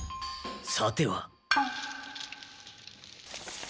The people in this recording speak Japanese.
さては。